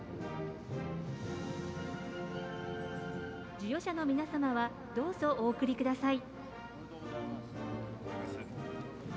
授与者の皆様はどうぞお贈りください。